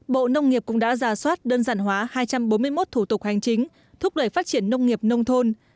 bộ nông nghiệp cũng đã giả soát đơn giản hóa hai trăm bốn mươi một thủ tục hành chính thúc đẩy phát triển nông nghiệp nông thôn